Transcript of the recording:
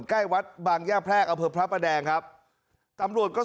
ใกล้วัดบางย่าแพรกอำเภอพระประแดงครับตำรวจก็